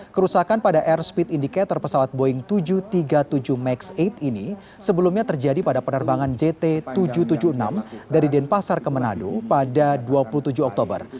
kerusakan pada air speed indicator pesawat boeing tujuh ratus tiga puluh tujuh max delapan ini sebelumnya terjadi pada penerbangan jt tujuh ratus tujuh puluh enam dari denpasar ke manado pada dua puluh tujuh oktober